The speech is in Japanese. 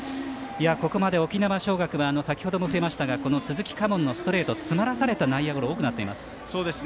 ここまで沖縄尚学は鈴木佳門のストレート詰まらされた内野ゴロ多くなっています。